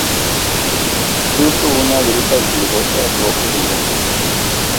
Fruto una drupa globosa, rojo-brillante.